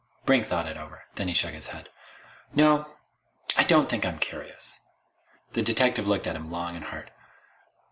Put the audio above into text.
Brink thought it over. Then he shook his head. "No. I don't think I'm curious." The detective looked at him long and hard.